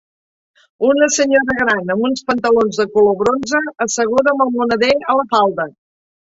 Una senyora gran amb uns pantalons de color bronze asseguda amb el moneder a la falda